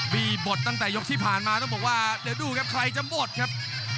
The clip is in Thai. มีบทตั้งแต่ยกที่ผ่านมาต้องบอกว่าเดี๋ยวดูครับใครจะหมดครับ